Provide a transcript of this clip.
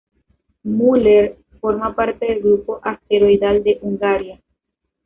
Mueller forma parte del grupo asteroidal de Hungaria.